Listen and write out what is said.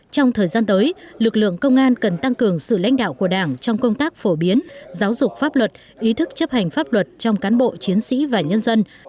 trong thời gian tới lực lượng công an cần tăng cường sự lãnh đạo của đảng trong công tác phổ biến giáo dục pháp luật ý thức chấp hành pháp luật trong cán bộ chiến sĩ và nhân dân